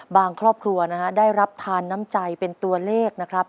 ครอบครัวนะฮะได้รับทานน้ำใจเป็นตัวเลขนะครับ